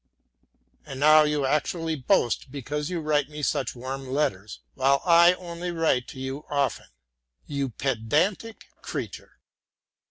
And now you actually boast because you write me such warm letters, while I only write to you often, you pedantic creature.